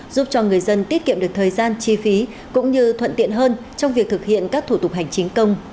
giúp cho người dân tiết kiệm được thời gian chi phí cũng như thuận tiện hơn trong việc thực hiện các thủ tục hành chính công